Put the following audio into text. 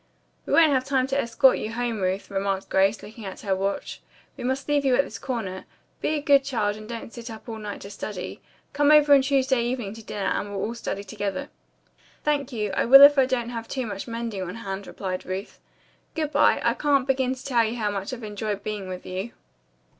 "We won't have time to escort you home, Ruth," remarked Grace, looking at her watch. "We must leave you at this corner. Be a good child and don't sit up all night to study. Come over Tuesday evening to dinner, and we'll all study together." "Thank you, I will if I don't have too much mending on hand," replied Ruth. "Good bye. I can't begin to tell you how much I've enjoyed being with you."